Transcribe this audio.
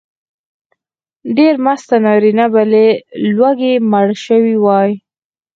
ډېر مست نارینه به له لوږې مړه شوي وای.